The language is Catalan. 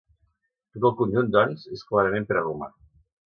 Tot el conjunt, doncs, és clarament preromà.